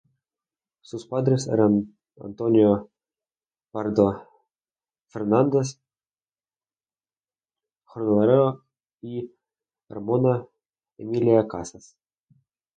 Sus padres eran Antonio Pardo Fernández, jornalero, y Ramona Emilia Casas.